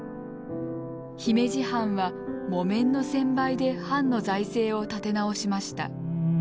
姫路藩は木綿の専売で藩の財政を立て直しました。